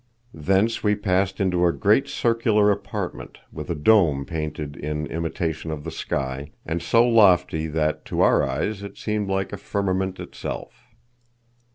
Thence we passed into a great circular apartment, with a dome painted in imitation of the sky, and so lofty that to our eyes it seemed like the firmament itself.